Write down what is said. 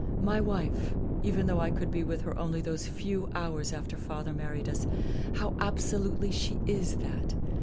My wife even though I could be with her only those few hours after Father married us how absolutely she is that!